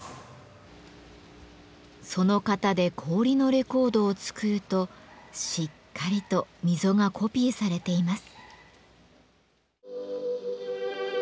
その型で氷のレコードを作るとしっかりと溝がコピーされています。